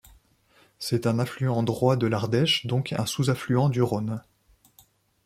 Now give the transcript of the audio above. C'est un affluent droit de l'Ardèche, donc un sous-affluent du Rhône.